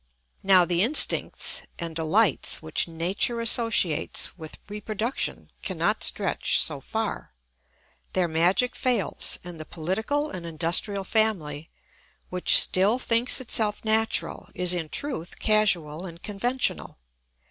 ] Now the instincts and delights which nature associates with reproduction cannot stretch so far. Their magic fails, and the political and industrial family, which still thinks itself natural, is in truth casual and conventional.